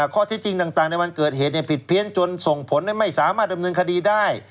ข้อที่จริงต่างในวันเกิดเหตุผิดเพี้ยนจนส่งผลให้ไม่สามารถดำเนินคดีได้